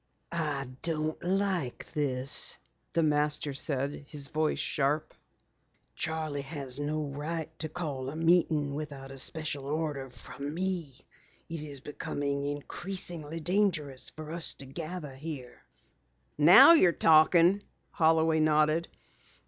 "I don't like this," the Master said, his voice harsh. "Charley has no right to call a meeting without a special order from me. It is becoming increasingly dangerous for us to gather here." "Now you're talking!" Holloway nodded.